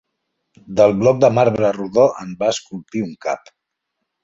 Del bloc de marbre rodó en va esculpir un cap.